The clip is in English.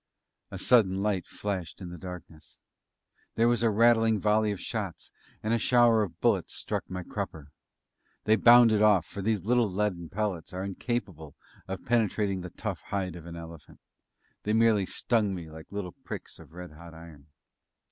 A sudden light flashed in the darkness; there was a rattling volley of shots, and a shower of bullets struck my crupper. They bounded off, for these little leaden pellets are incapable of penetrating the tough hide of an elephant. They merely stung me like little pricks of red hot iron.